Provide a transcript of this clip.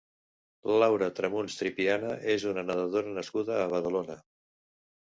Laura Tramuns Tripiana és una nedadora nascuda a Badalona.